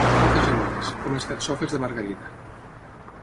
Poques i bones, com les carxofes de Margarida.